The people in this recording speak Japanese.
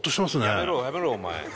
やめろやめろお前。